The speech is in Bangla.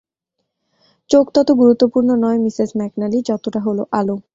চোখ তত গুরুত্বপূর্ণ নয় মিসেস ম্যাকনালি, যতটা হল আলো।